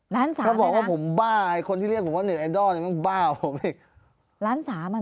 ถ้าบอกว่าผมบ้าคนที่เรียกว่าเน็ตแอดอลเนี่ยมันบ้ามาก